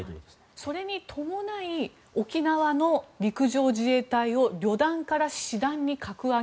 それに伴い沖縄の陸上自衛隊を旅団から師団に格上げ。